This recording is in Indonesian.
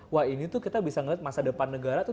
wah ini tuh kita bisa melihat masa depan negara tuh